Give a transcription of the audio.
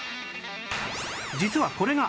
実はこれが